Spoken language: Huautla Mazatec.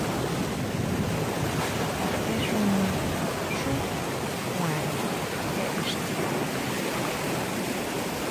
Kjuatexuma xú kuanʼre je ixti.